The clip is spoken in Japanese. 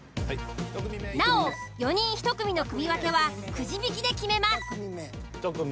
なお４人１組の組分けはくじ引きで決めます。